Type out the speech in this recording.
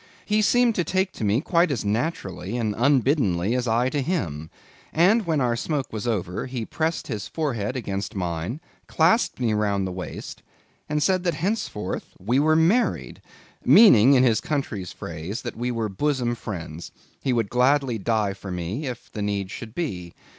He seemed to take to me quite as naturally and unbiddenly as I to him; and when our smoke was over, he pressed his forehead against mine, clasped me round the waist, and said that henceforth we were married; meaning, in his country's phrase, that we were bosom friends; he would gladly die for me, if need should be.